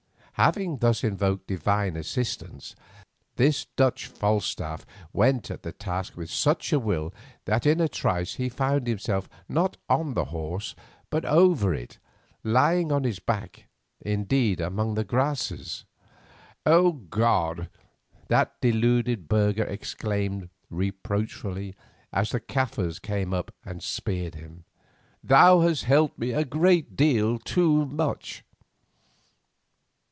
Having thus invoked divine assistance, this Dutch Falstaff went at the task with such a will that in a trice he found himself not on the horse, but over it, lying upon his back, indeed, among the grasses. "O God!" that deluded burgher exclaimed, reproachfully, as the Kaffirs came up and speared him, "Thou hast helped a great deal too much!"